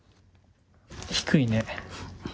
低いね。